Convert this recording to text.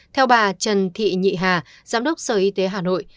theo bà trần thị nhị hà giám đốc sở y tế hà nội